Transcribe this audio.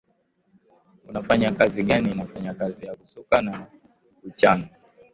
unafanya kazi gani nafanya kazi ya kusuka na na nini na kuchana